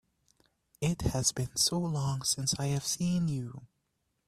It has been so long since I have seen you!